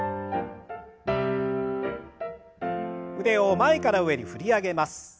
腕を前から上に振り上げます。